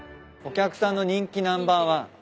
お客さんの人気ナンバーワン。